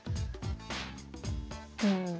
うん。